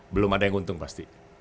belum ada yang untung pasti